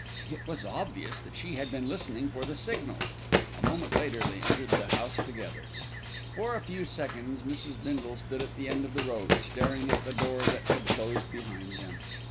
It was obvious that she had been listening for the signal. A moment later they entered the house together. For a few seconds Mrs. Bindle stood at the end of the road, staring at the door that had closed behind them.